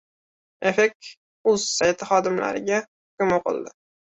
Effect.uz sayti xodimlariga hukm o‘qildi